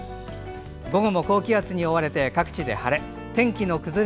午後も高気圧に覆われて各地で晴れ。